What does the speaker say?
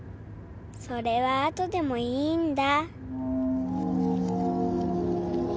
それは後でもいいんだ。